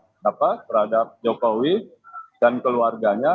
kenapa berhadap jokowi dan keluarganya